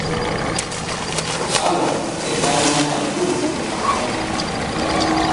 Falo e janŋa talkuru lallaw.